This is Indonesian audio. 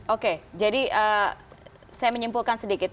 oke jadi saya menyimpulkan sedikit